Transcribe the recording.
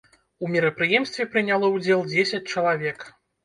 У мерапрыемстве прыняло ўдзел дзесяць чалавек.